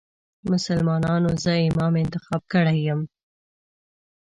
مسلمانانو زه امام انتخاب کړی یم.